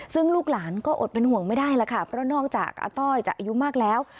ซึ่งลูกหลานก็อดเป็นห่วงไม่ได้แล้วค่ะเพราะนอกจากอาต้อยจะอายุมากแล้ว